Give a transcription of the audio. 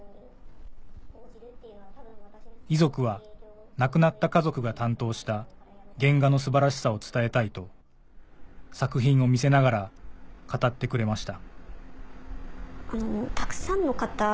遺族は亡くなった家族が担当した原画の素晴らしさを伝えたいと作品を見せながら語ってくれました